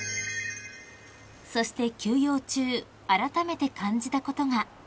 ［そして休養中あらためて感じたことが］